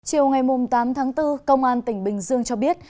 chiều ngày tám tháng bốn công an tỉnh bình dương cho biết